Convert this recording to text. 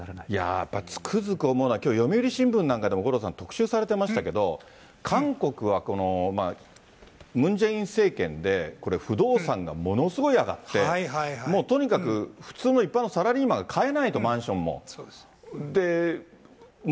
やっぱりつくづく思うのはきょう、読売新聞なんかでも、五郎さん、特集されてましたけど、韓国は、ムン・ジェイン政権で不動産がものすごい上がって、もうとにかく普通の一般のサラリーマンが買えないと、マンションも。